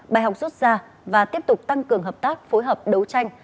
bài học rút ra và tiếp tục tăng cường hợp tác phối hợp đấu tranh